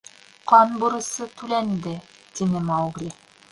Ҡан бурысы түләнде, — тине Маугли.